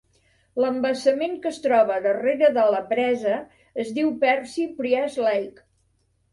L'embassament que es troba darrere de la presa es diu Percy Priest Lake.